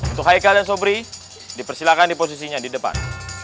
untuk aikal dan sobri dipersilahkan di posisinya di depan